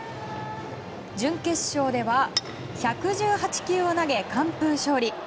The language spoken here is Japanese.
準決勝では１１８球を投げ完封勝利。